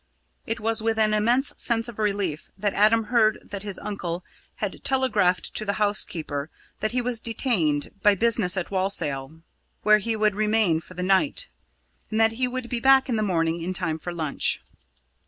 It was with an immense sense of relief that Adam heard that his uncle had telegraphed to the housekeeper that he was detained by business at Walsall, where he would remain for the night; and that he would be back in the morning in time for lunch.